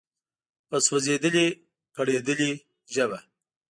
په سوزیدلي، کړیدلي ژبه